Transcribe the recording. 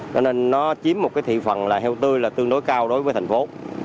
cho nên nó chiếm một thị phần heo tươi tương đối cao đối với thành phố